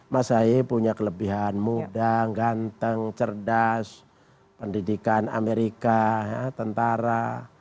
mas ahy punya kelebihan muda ganteng cerdas pendidikan amerika tentara